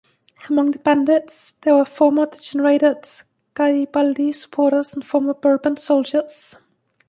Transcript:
Among the bandits, there were former degenerated Garibaldi supporters and former Bourbon soldiers.